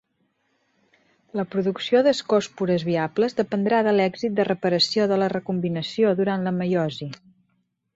La producció d'ascòspores viables dependrà de l'èxit de reparació de la recombinació durant la meiosi.